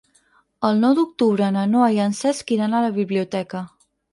El nou d'octubre na Noa i en Cesc iran a la biblioteca.